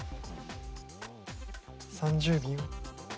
３０秒。